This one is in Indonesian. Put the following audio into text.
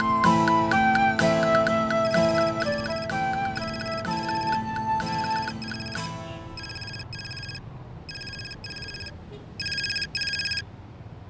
penghubungan juga mungkin berubah nanti